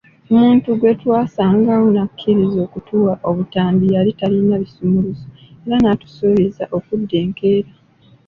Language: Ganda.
Omuntu gwe twasangawo n'akkiriza okutuwa obutambi yali talina bisumuluzo era n'atusuubizza okudda enkeera.